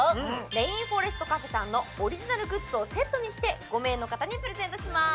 レインフォレストカフェさんのオリジナルグッズをセットにして５名の方にプレゼントします